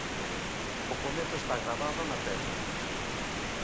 O comezo está gravado na pedra.